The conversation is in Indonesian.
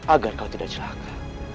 agar kau tidak celaka